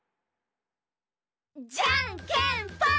じゃんけんぽん！